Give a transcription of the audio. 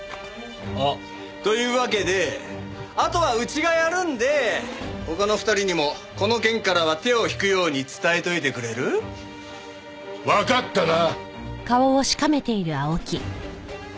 あっ。というわけであとはうちがやるんで他の２人にもこの件からは手を引くように伝えておいてくれる？わかったな？